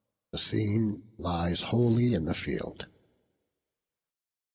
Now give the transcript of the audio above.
The scene lies wholly in the field.